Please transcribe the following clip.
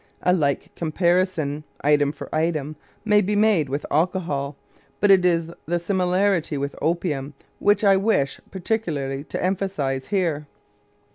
A like comparison, item for item, may be made with alcohol, but it is the similarity with opium which I wish particularly to emphasize here.